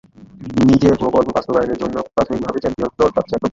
নিজেদের প্রকল্প বাস্তবায়নের জন্য প্রাথমিকভাবে চ্যাম্পিয়ন দল পাচ্ছে এক লাখ টাকা।